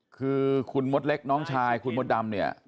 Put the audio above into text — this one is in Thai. คือคุณมดเล็กน้องชายคุณมดดำเนี่ย